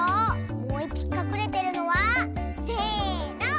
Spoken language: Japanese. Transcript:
もういっぴきかくれてるのはせの！